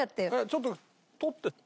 ちょっと取って。